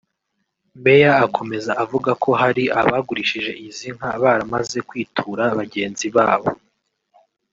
Meya akomeza avuga ko hari abagurishije izi nka baramaze kwitura bagenzi babo